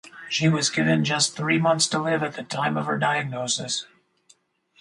She was given just three months to live at the time of her diagnosis.